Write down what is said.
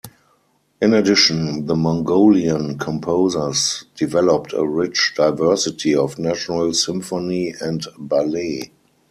In addition, the Mongolian composers developed a rich diversity of national symphony and ballet.